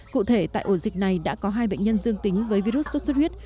cụ thể tại ổ dịch này đã có hai bệnh nhân dương tính với virus sốt xuất huyết